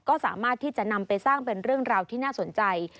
ก็สามารถที่จะนำไปสร้างเป็นเรื่องราวที่น่าสนใจ